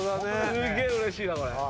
すげえうれしいなこれ。